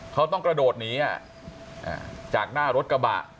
เขาต้องกระโดดหนีจากหน้ารถกระบะ